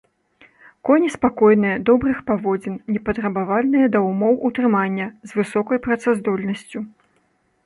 Коні спакойныя, добрых паводзін, непатрабавальныя да ўмоў утрымання, з высокай працаздольнасцю.